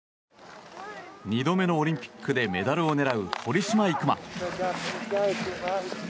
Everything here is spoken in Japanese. ２度目のオリンピックでメダルを狙う堀島行真。